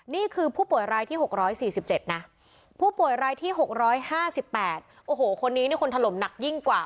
นี่คือผู้ป่วยรายที่๖๔๗นะผู้ป่วยรายที่๖๕๘โอ้โหคนนี้นี่คนถล่มหนักยิ่งกว่า